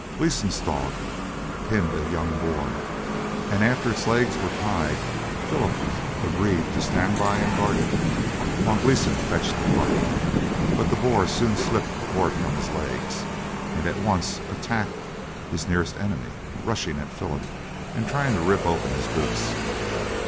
Gleenson's dog pinned a young boar, and after its legs were tied Philip agreed to stand by and guard it, while Gleeson fetched the cart. But the boar soon slipped the cord from his legs, and at once attacked his nearest enemy, rushing at Philip and trying to rip open his boots.